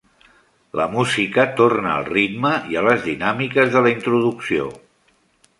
La música torna al ritme i a les dinàmiques de la introducció.